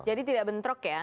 jadi tidak bentrok ya